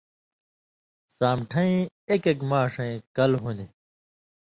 سامٹھَیں اېک اېک ماݜَیں کل ہُون٘دیۡ،